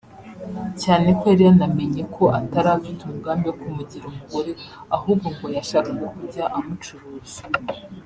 cyane ko yari yanamenye ko atari afite umugambi wo kumugira umugore ahubwo ngo yashakaga kujya amucuruza